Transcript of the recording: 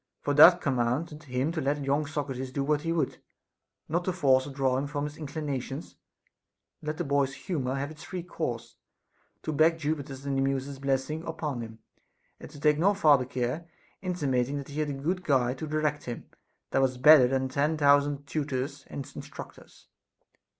For that commanded him to let young Socrates do what he would, not to force or draw him from his inclinations, but let the boy's humor have its free course ; to beg Jupiter's and the Muses' blessing upon him, and take no farther care, intimating that he had a aood guide to direct him, that was better than ten thousand tutors and instructors.